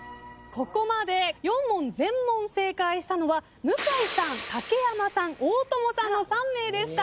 ここまで４問全問正解したのは向井さん竹山さん大友さんの３名でした。